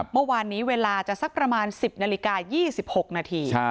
เมื่อวานนี้เวลาจะสักประมาณ๑๐นาฬิกา๒๖นาที